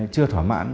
chưa thỏa mãn